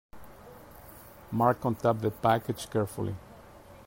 Mark untaped the package carefully.